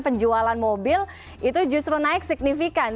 penjualan mobil itu justru naik signifikan